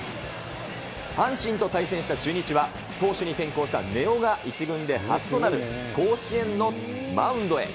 阪神と対戦した中日は、投手に転向した根尾が１軍で初となる甲子園のマウンドへ。